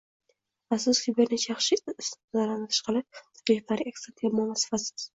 Afsuski, bir nechta yaxshi istisnolardan tashqari, takliflarning aksariyati yomon va sifatsiz